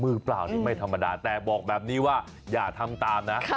เปล่านี่ไม่ธรรมดาแต่บอกแบบนี้ว่าอย่าทำตามนะ